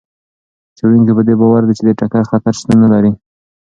څېړونکي په دې باور دي چې د ټکر خطر شتون نه لري.